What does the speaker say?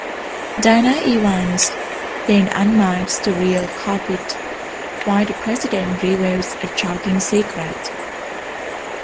Dana Evans then unmasks the real culprit, while the president reveals a shocking secret.